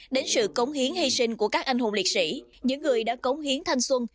đến sự cống hiến hy sinh của các anh hùng liệt sĩ những người đã cống hiến thanh xuân